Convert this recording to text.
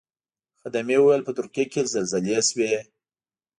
خدمې ویل په ترکیه کې زلزلې شوې.